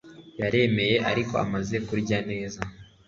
yaremeye ariko amaze kurya neza